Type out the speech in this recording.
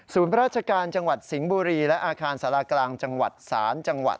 พระราชจังหวัดสิงห์บุรีและอาคารสารากลางจังหวัด๓จังหวัด